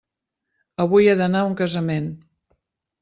Avui he d'anar a un casament.